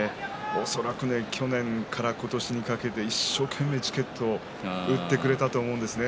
恐らく去年から今年にかけて一生懸命チケットを売ってくれたと思うんですね。